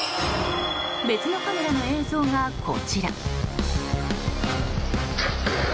別のカメラの映像がこちら。